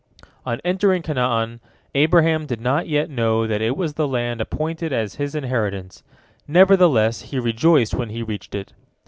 On entering Canaan, Abraham did not yet know that it was the land appointed as his inheritance. Nevertheless he rejoiced when he reached it.